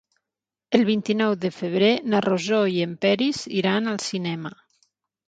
El vint-i-nou de febrer na Rosó i en Peris iran al cinema.